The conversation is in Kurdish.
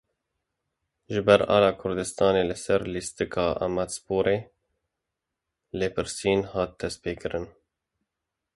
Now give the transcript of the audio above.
Ji ber Ala Kurdistanê li ser lîstika Amedsporê lêpirsîn hat destpêkirin.